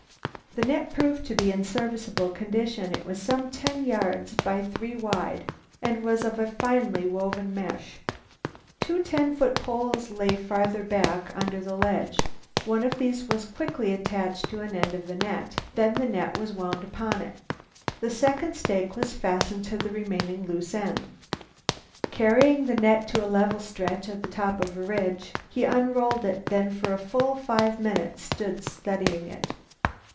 The net proved to be in serviceable condition. It was some ten yards by three wide and was of a finely woven mesh. Two ten foot poles lay farther back under the ledge. One of these was quickly attached to an end of the net, then the net wound upon it. The second stake was fastened to the remaining loose end. Carrying the net to a level stretch at the top of a ridge, he unrolled it, then for a full five minutes stood studying it.